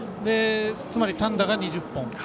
つまり単打が２０本。